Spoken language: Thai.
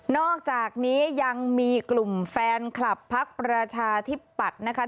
นอกจากนี้ยังมีกลุ่มแฟนคลับภักดิ์ประชาทิแบบนะครับ